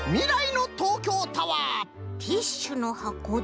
ティッシュのはこと。